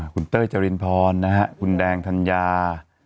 คุณเต้ยจรินพรนะฮะคุณแดงธัญญา